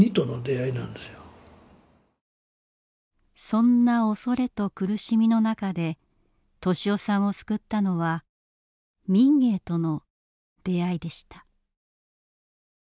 そんな恐れと苦しみの中で利雄さんを救ったのは「民藝」との出会いでした。